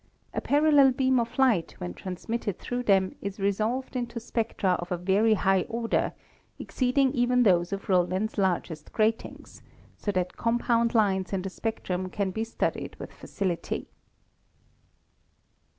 A parallel beam of light when transmitted through them is resolved into spectra of a very high order, exceeding even those of Rowland's largest gratings, so that compound lines in the spectrum can be studied with facility.